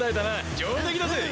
上出来だぜ！